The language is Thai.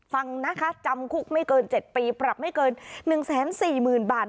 ฟังนะคะจำคุกไม่เกินเจ็ดปีปรับไม่เกินหนึ่งแสนสี่หมื่นบาท